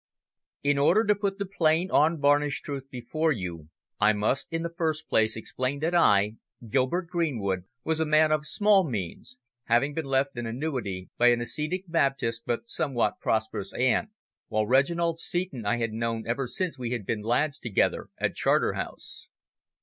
In order to put the plain, unvarnished truth before you, I must, in the first place, explain that I, Gilbert Greenwood, was a man of small means, having been left an annuity by an ascetic Baptist, but somewhat prosperous aunt, while Reginald Seton I had known ever since we had been lads together at Charterhouse.